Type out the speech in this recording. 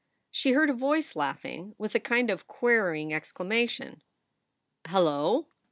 She heard a voice laughing, with a kind of querying exclamation: "Hello?"